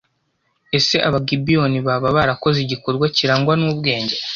Ese Abagibeyoni baba barakoze igikorwa kirangwa n’ubwenge